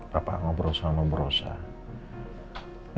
papa ngobrol sama berusaha